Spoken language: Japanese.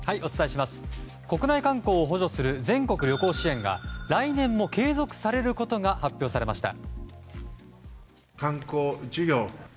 国内観光を補助する全国旅行支援が来年も継続されることが発表されました。